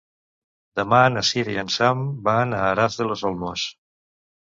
Demà na Cira i en Sam van a Aras de los Olmos.